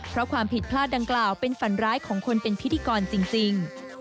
เพราะความผิดพลาดดังกล่าวเป็นฝันร้ายของคนเป็นพิธีกรจริง